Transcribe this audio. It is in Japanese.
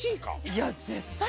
いや絶対。